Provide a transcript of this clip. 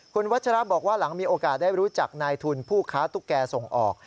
คุณวัชระบอกว่าหลังมีโอกาสได้รู้จักนายทุนผู้ค้าตุ๊กแก่ส่งออก